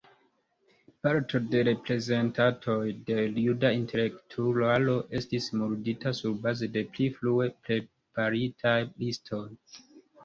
Parto de reprezentantoj de juda intelektularo estis murdita surbaze de pli frue preparitaj listoj.